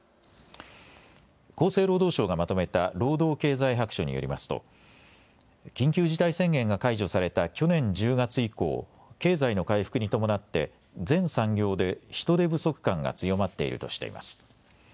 厚生労働省がまとめた労働経済白書によりますと緊急事態宣言が解除された去年１０月以降、経済の回復に伴って全産業で人手不足感が強まっているとしています。